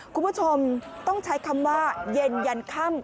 คุณผู้ชมต้องใช้คำว่าเย็นยันค่ำ